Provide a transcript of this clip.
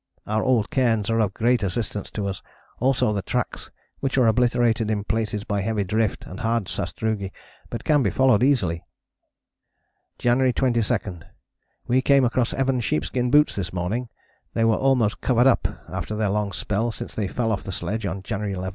Our old cairns are of great assistance to us, also the tracks, which are obliterated in places by heavy drift and hard sastrugi, but can be followed easily." "January 22. We came across Evans' sheepskin boots this morning. They were almost covered up after their long spell since they fell off the sledge [on January 11].